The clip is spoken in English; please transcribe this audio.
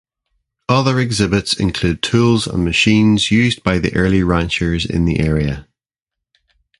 Other exhibits include tools and machines used by the early ranchers in the area.